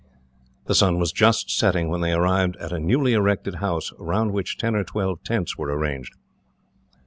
The sun was just setting when they arrived at a newly erected house, round which ten or twelve tents were arranged.